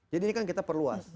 ini kan kita perluas